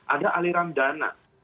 ada aliran dana